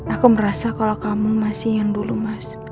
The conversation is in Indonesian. aku merasa kalau kamu masih yang dulu mas